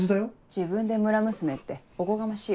自分で村娘っておこがましいわ。